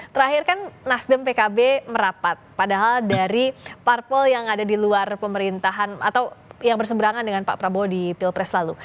terakhir kan nasdem pkb merapat padahal dari parpol yang ada di luar pemerintahan atau yang berseberangan dengan pak prabowo di pilpres lalu